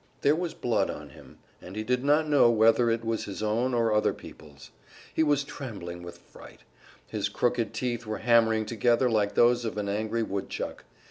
There was blood on him, and he did not know whether it was his own or other peoples'. He was trembling with fright, his crooked teeth were hammering together like those of an angry woodchuck.